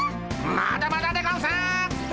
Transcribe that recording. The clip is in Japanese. まだまだでゴンス！